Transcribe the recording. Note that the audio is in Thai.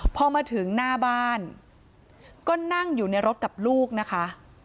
พอมาถึงหน้าบ้านก็นั่งอยู่ในรถกับลูกนะคะ